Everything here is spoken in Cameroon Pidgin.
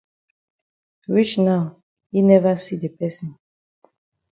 Reach now yi never see the person.